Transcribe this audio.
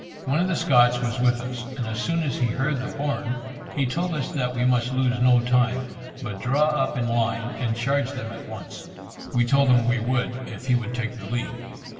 One of the Scots was with us, and as soon as he heard the horn, he told us that we must lose no time, but draw up in line, and charge them at once. We told him we would, if he would take the lead.